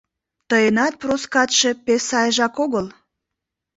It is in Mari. Тыйынат Проскатше пеш сайжак огыл.